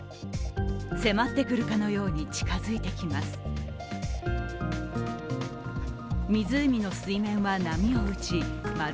迫ってくるかのように近づいてきます。